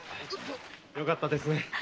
よかったですね。